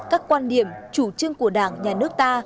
các quan điểm chủ trương của đảng nhà nước ta